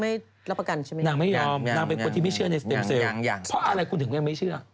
พออะไรคุณถึงยังไม่เชื่อ